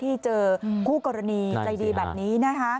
ที่เจอคู่กรณีใจดีแบบนี้นะคะ